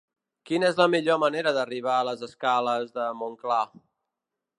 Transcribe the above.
Quina és la millor manera d'arribar a les escales de Montclar?